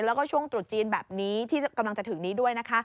แล้วก็ช่วงตรุษจีนแบบนี้ที่กำลังจะถึงนี้ด้วยนะคะ